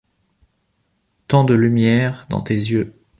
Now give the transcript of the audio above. Tant de lumière dans tes yeux !